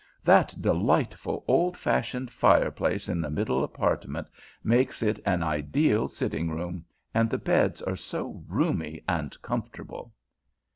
"That delightful old fashioned fireplace in the middle apartment makes it an ideal sitting room, and the beds are so roomy and comfortable."